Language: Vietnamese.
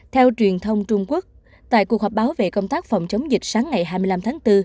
theo truyền thông trung quốc tại cuộc họp báo về công tác phòng chống dịch sáng ngày hai mươi năm tháng bốn